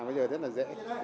bây giờ rất là dễ